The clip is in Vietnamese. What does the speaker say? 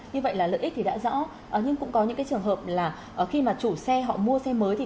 như vậy là lợi ích thì đã rõ nhưng cũng có những trường hợp là khi mà chủ xe họ mua xe mới thì